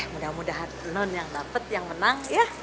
mudah mudahan non yang dapat yang menang ya